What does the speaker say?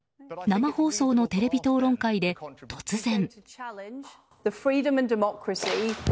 生放送のテレビ討論会で、突然。